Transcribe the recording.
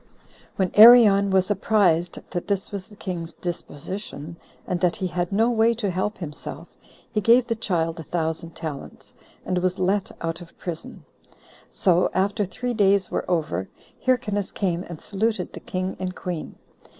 9. When Arion was apprized that this was the king's disposition, and that he had no way to help himself, he gave the child a thousand talents, and was let out of prison. So after three days were over, Hyrcanus came and saluted the king and queen.